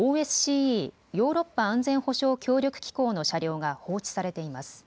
・ヨーロッパ安全保障協力機構の車両が放置されています。